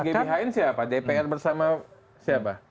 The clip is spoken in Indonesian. yang membuat gbhn siapa dpr bersama siapa